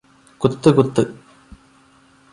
കുത്ത് കുത്ത്